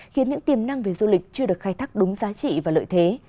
khiến những tiềm năng về du lịch chưa được khai thác đúng giá trị và lợi thế